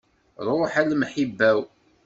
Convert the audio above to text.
Ruḥ a lemḥiba-w.